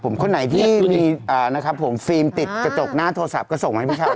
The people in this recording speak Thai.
ถูกคนไหนที่มีฟิล์มติดกระจกหน้าโทรศัพท์ก็ส่งมาให้พี่เช้าด้วย